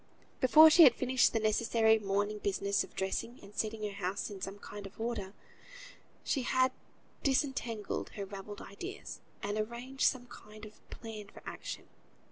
Before she had finished the necessary morning business of dressing, and setting her house in some kind of order, she had disentangled her ravelled ideas, and arranged some kind of a plan for action.